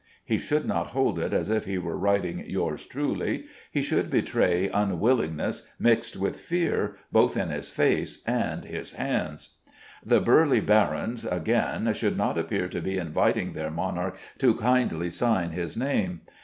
He should not hold it as if he were writing "Yours truly"; he should betray unwillingness mixed with fear both in his face and his hands. The burly barons, again, should not appear to be inviting their monarch to kindly sign his name.